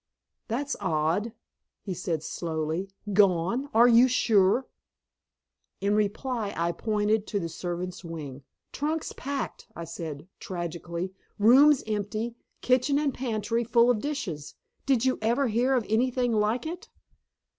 "That's odd," he said slowly. "Gone! Are you sure?" In reply I pointed to the servants' wing. "Trunks packed," I said tragically, "rooms empty, kitchen and pantries, full of dishes. Did you ever hear of anything like it?"